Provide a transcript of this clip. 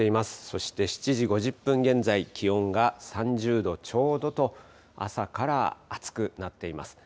そして７時５０分現在、気温が３０度ちょうどと、朝から暑くなっています。